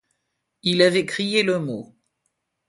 Il avait crié le mot.